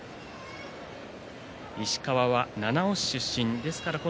石川は七尾市出身です。